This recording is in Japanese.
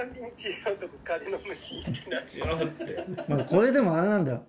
これでもあれなんだよ。